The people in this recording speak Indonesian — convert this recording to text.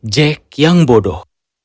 jak yang bodoh